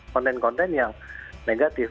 konten konten yang negatif